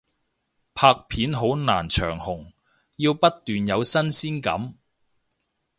拍片好難長紅，要不斷有新鮮感